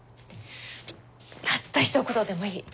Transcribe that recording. たったひと言でもいい。